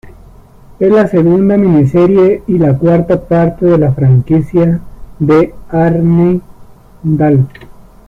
Es la segunda miniserie y la cuarta parte de la franquicia de Arne Dahl.